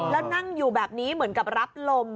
แล้วนั่งอยู่แบบนี้เหมือนกับรับลม